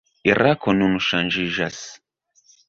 Irako nun ŝanĝiĝas.